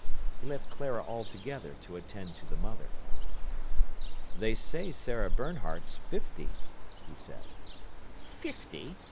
He left Clara altogether to attend to the mother. "They say Sarah Bernhardt's fifty," he said. "Fifty!